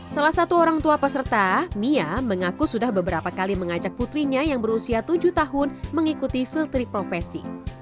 salah satu orang tua peserta mia mengaku sudah beberapa kali mengajak putrinya yang berusia tujuh tahun mengikuti filtree profesi